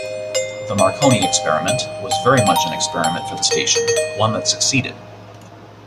"The Marconi Experiment" was very much an experiment for the station, one that succeeded.